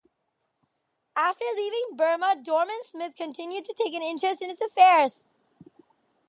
After leaving Burma, Dorman-Smith continued to take an interest in its affairs.